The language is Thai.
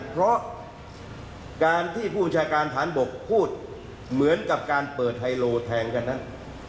เพราะการที่ผู้บัญชาการฐานบกพูดเหมือนกับการเปิดไฮโลแทงกันนั้น